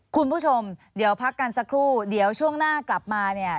คุณผู้ชมเดี๋ยวพักกันสักครู่เดี๋ยวช่วงหน้ากลับมาเนี่ย